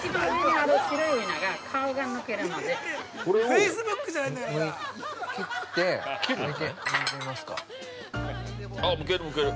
◆あ、むけるむける。